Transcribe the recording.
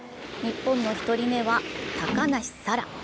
日本の１人目は高梨沙羅。